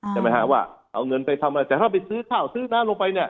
ใช่ไหมฮะว่าเอาเงินไปทำอะไรแต่ถ้าไปซื้อข้าวซื้อน้ำลงไปเนี่ย